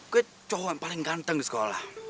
gue cowok yang paling ganteng di sekolah